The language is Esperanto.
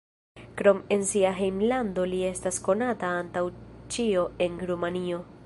Krom en sia hejmlando li estas konata antaŭ ĉio en Rumanio.